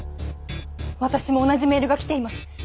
私も同じメールがきています。